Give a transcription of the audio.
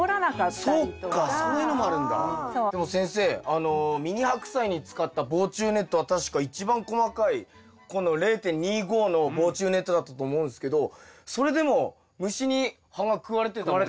でも先生ミニハクサイに使った防虫ネットは確か一番細かいこの０．２５の防虫ネットだったと思うんすけどそれでも虫に葉が食われてたもんね。